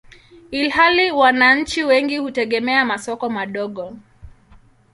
ilhali wananchi wengi hutegemea masoko madogo.